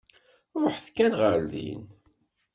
Ṛuḥet kan ɣer din.